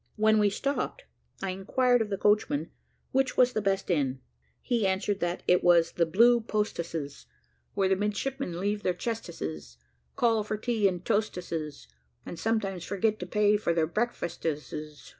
When we stopped, I enquired of the coachman which was the best inn. He answered that "it was the Blue Postesses, where the midshipmen leave their chestesses, call for tea and toastesses, and sometimes forget to pay for their breakfastesses."